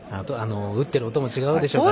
打ってる音も違うんでしょうね。